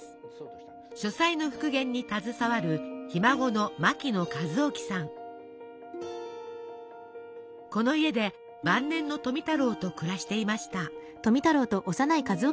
書斎の復元に携わるこの家で晩年の富太郎と暮らしていました。